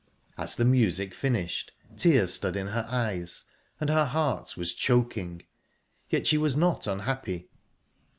As the music finished, tears stood in her eyes, and her heart was choking, yet she was not unhappy...